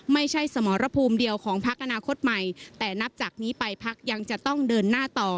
สมรภูมิเดียวของพักอนาคตใหม่แต่นับจากนี้ไปพักยังจะต้องเดินหน้าต่อ